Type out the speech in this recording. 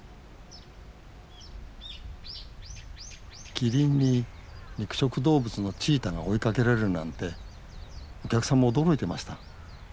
キリンに肉食動物のチーターが追いかけられるなんてお客さんも驚いてました。